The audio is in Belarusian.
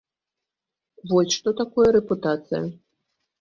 Вось што такое рэпутацыя.